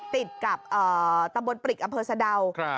ติดกับตำบลปริกอำเภอสะดาว